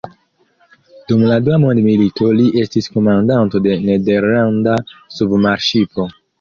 Dum la Dua Mondmilito li estis komandanto de nederlanda submarŝipo.